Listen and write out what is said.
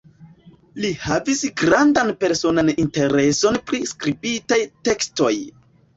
Li havis grandan personan intereson pri skribitaj tekstoj.